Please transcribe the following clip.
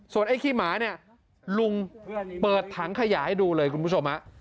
ส่วนขี้หมานี่ลุงเปิดถังขยะให้ดูเลยคุณผู้ชม